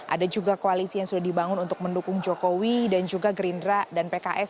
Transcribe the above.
ada juga koalisi yang sudah dibangun untuk mendukung jokowi dan juga gerindra dan pks